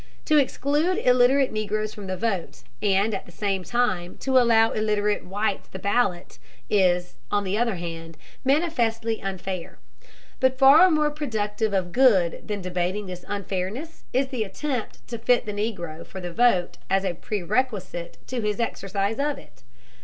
To exclude illiterate Negroes from the vote, and at the same time to allow illiterate whites the ballot, is, on the other hand, manifestly unfair. But far more productive of good than debating this unfairness is the attempt to fit the Negro for the vote as a prerequisite to his exercise of it.